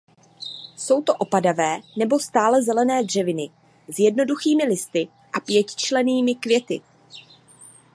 Jsou to opadavé nebo stálezelené dřeviny s jednoduchými listy a pětičetnými květy.